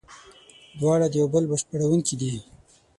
دواړه یو د بل بشپړوونکي دي.